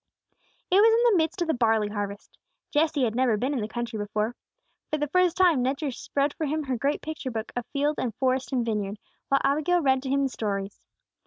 It was in the midst of the barley harvest. Jesse had never been in the country before. For the first time, Nature spread for him her great picture book of field and forest and vineyard, while Abigail read to him the stories.